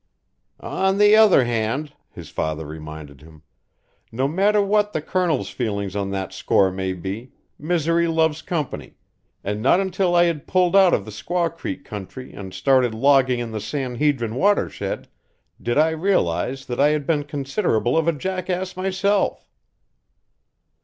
"On the other hand," his father reminded him, "no matter what the Colonel's feeling on that score may be, misery loves company, and not until I had pulled out of the Squaw Creek country and started logging in the San Hedrin watershed, did I realize that I had been considerable of a jackass myself."